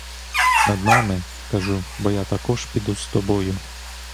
Над нами, кажу, бо я також піду з тобою.